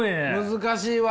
難しいわ。